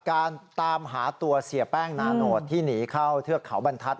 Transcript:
ตามหาตัวเสียแป้งนาโนตที่หนีเข้าเทือกเขาบรรทัศน